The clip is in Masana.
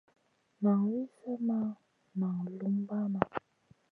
Nan wi slèh ma naŋ lumbana.